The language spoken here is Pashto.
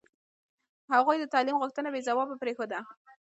هغوی د تعلیم غوښتنه بې ځوابه پرېښوده.